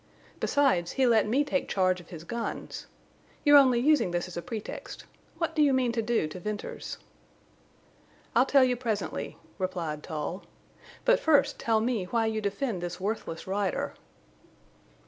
Besides, he let me take charge of his guns. You're only using this as a pretext. What do you mean to do to Venters?" "I'll tell you presently," replied Tull. "But first tell me why you defend this worthless rider?"